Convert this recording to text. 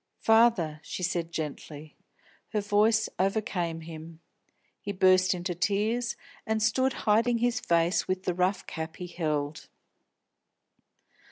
"Father," she said gently. Her voice overcame him; he burst into tears and stood hiding his face with the rough cap he held.